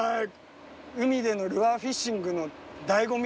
海でのルアーフィッシングのだいご味